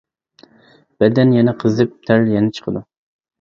بەدەن يەنە قىزىپ، تەر يەنە چىقىدۇ.